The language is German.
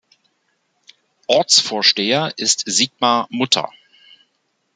Ortsvorsteher ist Siegmar Mutter.